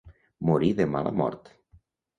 Morir de mala mort.